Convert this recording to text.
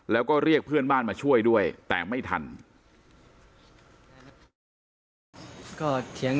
แล้วก็เรียกเพื่อนบ้านมาช่วยด้วยแต่ไม่ทัน